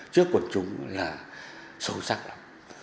trước quần chúng là sâu sắc lắm